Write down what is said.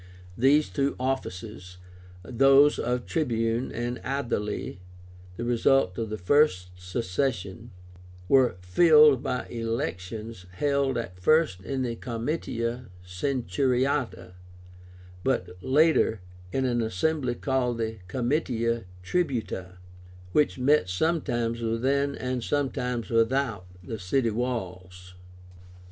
These two offices, those of Tribune and Aedile, the result of the first secession, were filled by elections held at first in the Comitia Centuriáta, but later in an assembly called the COMITIA TRIBÚTA, which met sometimes within and sometimes without the city walls.